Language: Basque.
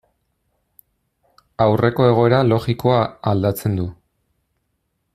Aurreko egoera logikoa aldatzen du.